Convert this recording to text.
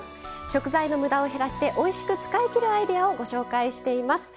食材のむだを減らしておいしく使いきるアイデアをご紹介しています。